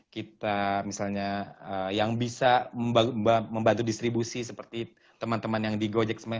kita misalnya yang bisa membantu distribusi seperti teman teman yang di gojek semen